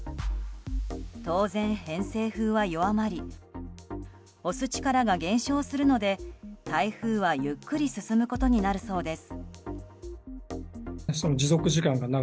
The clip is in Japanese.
当然、偏西風は弱まり押す力が減少するので台風はゆっくり進むことになるそうです。